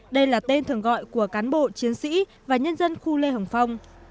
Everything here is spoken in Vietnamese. đây là tên thường gọi của cán bộ chiến sĩ và nhân dân khu lê hồng phong